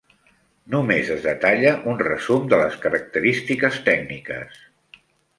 Només es detalla un resum de les característiques tècniques.